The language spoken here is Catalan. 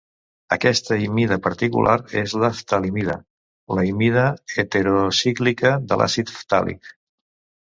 Aquesta imida particular és la ftalimida, la imida heterocíclica de l'àcid ftàlic.